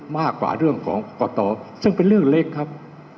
มากกว่าเรื่องของกตซึ่งเป็นเรื่องเล็กครับ